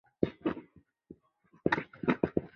成化二年登进士。